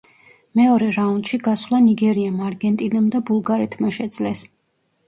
მეორე რაუნდში გასვლა ნიგერიამ, არგენტინამ და ბულგარეთმა შეძლეს.